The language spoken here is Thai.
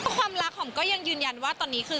ความรักหอมก็ยังยืนยันว่าตอนนี้คือ